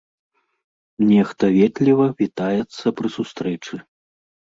Нехта ветліва вітаецца пры сустрэчы.